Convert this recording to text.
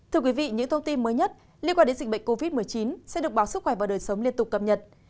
thưa quý vị những thông tin mới nhất liên quan đến dịch bệnh covid một mươi chín sẽ được báo sức khỏe và đời sống liên tục cập nhật